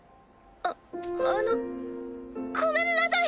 ああのごめんなさい！